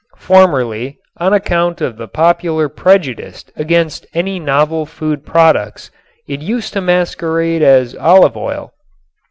Formerly, on account of the popular prejudice against any novel food products, it used to masquerade as olive oil.